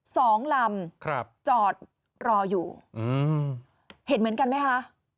สองลำครับจอดรออยู่อืมเห็นเหมือนกันไหมคะ